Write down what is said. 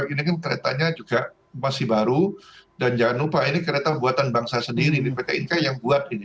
ini keretanya juga masih baru dan jangan lupa ini kereta pembuatan bangsa sendiri yang buat ini